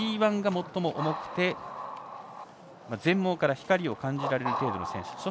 Ｂ１が最も重くて全盲から光を感じられる程度の選手。